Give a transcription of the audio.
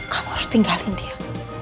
kamu harus tinggalin dia